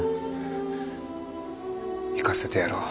行かせてやろう。